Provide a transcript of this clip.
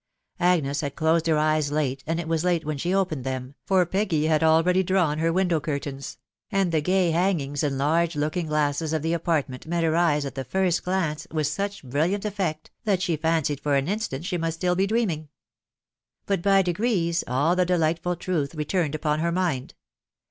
Agnes had closed her eyes late, and it was late when she opened them, for Peggy had already drawn her window curtains ; and the gay hang ings and large looking glasses of the apartment met her eyes at the first glance with such brilliant effect, that she fan. cied for an instant she must still be dreaming. But by degrees all the delightful truth returned upon her mind.